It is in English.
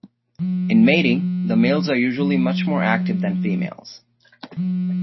In mating, the males are usually much more active than females.